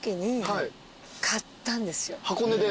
箱根で？